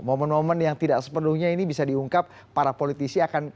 momen momen yang tidak sepenuhnya ini bisa diungkap para politisi akan